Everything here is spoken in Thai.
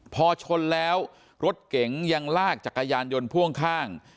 พอชนแล้วรถเก๋งยังลากจักรยานยนต์พ่วงข้าง